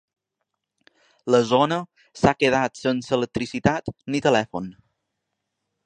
La zona s’ha quedat sense electricitat ni telèfon.